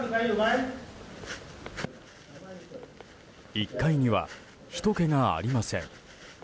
１階にはひとけがありません。